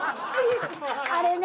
あれね！